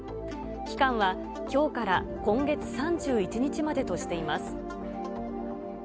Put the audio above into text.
期間は、きょうから今月３１日までとしています。